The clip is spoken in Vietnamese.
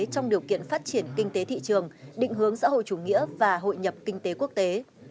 trong điều kiện phát triển kinh tế thị trường định hướng xã hội chủ nghĩa và hội nhập kinh tế quốc tế